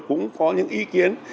cũng có những ý kiến